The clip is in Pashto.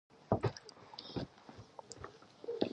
مېوې د افغانانو د ژوند طرز اغېزمنوي.